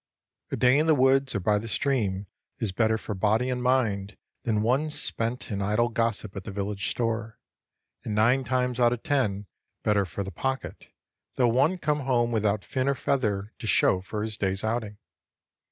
A day in the woods or by the stream is better for body and mind than one spent in idle gossip at the village store, and nine times out of ten better for the pocket, though one come home without fin or feather to show for his day's outing.